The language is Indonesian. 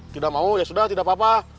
tidak mau ya sudah tidak apa apa